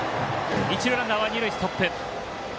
一塁ランナーは二塁でストップ。